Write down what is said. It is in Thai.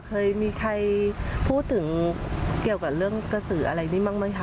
เคยมีใครพูดถึงเกี่ยวกับเรื่องกระสืออะไรนี้บ้างไหมคะ